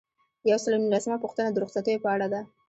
یو سل او نولسمه پوښتنه د رخصتیو په اړه ده.